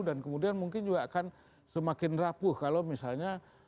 dan kemudian mungkin juga akan